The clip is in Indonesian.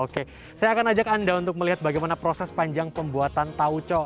oke saya akan ajak anda untuk melihat bagaimana proses panjang pembuatan tauco